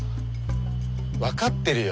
分かってるよ。